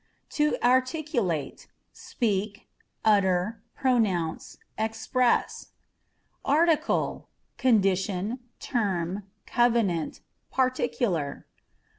To Articulate â€" speak, utter, pronounce, express. Article â€" condition, term, covenant, particular.